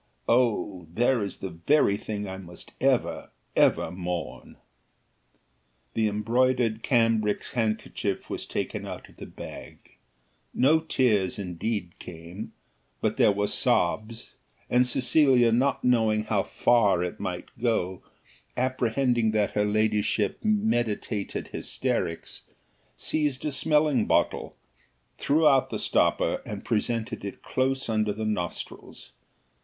Oh! there is the very thing I must ever, ever mourn." The embroidered cambric handkerchief was taken out of the bag; no tears, indeed, came, but there were sobs, and Cecilia not knowing how far it might go, apprehending that her ladyship meditated hysterics, seized a smelling bottle, threw out the stopper, and presented it close under the nostrils.